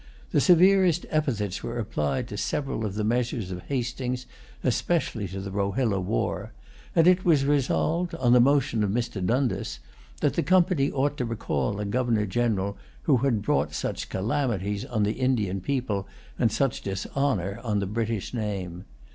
The severest epithets were applied to several of the measures of Hastings, especially to the Rohilla war; and it was resolved, on the motion of Mr. Dundas, that the Company ought to recall a Governor General who had brought such calamities on the Indian people, and such dishonor on the British name.